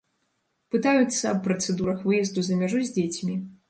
Пытаюцца аб працэдурах выезду за мяжу з дзецьмі.